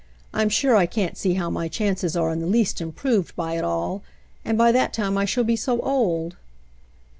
I'm sure I can't see how my chances are in the least improved by it all; and by that time I shall be so old."